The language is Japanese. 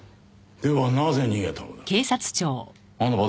ではなぜ逃げたのだ？